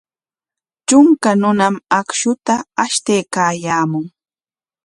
Trunka runam akshuta ashtaykaayaamun.